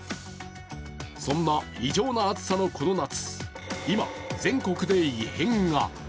そんな異常な暑さのこの夏、今、全国で異変が。